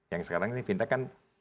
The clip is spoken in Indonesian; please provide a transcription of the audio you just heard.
yang sekarang ini fintech kan